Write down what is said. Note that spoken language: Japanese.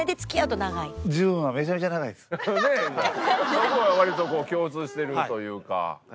そこは割とこう共通してるというか。